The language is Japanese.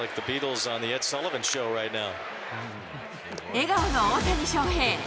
笑顔の大谷翔平。